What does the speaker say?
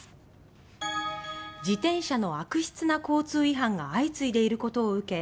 自転車の悪質な交通違反が相次いでいることを受け